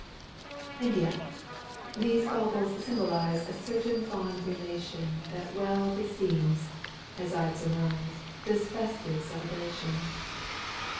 And yet these baubles symbolize A certain fond relation That well beseems, as I surmise, This festive celebration.